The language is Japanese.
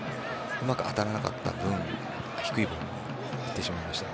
うまく当たらなかった分低いボールになってしまいました。